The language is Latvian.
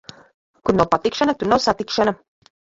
Kur nav patikšana, tur nav satikšana.